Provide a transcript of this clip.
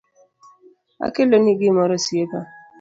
Akeloni gimoro osiepa